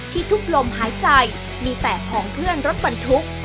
ทุกลมหายใจมีแต่ของเพื่อนรถบรรทุก